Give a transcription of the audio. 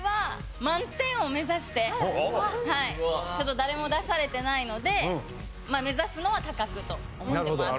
誰も出されてないので目指すのは高くと思ってます。